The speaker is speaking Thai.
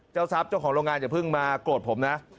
เจ้าทรัพย์เจ้าของโรงงานอย่าเพิ่งมาโกรธผมนะ